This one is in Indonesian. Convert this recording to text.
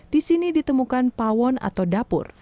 di sini ditemukan pawon atau dapur